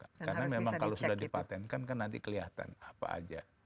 karena memang kalau sudah dipatentkan kan nanti kelihatan apa aja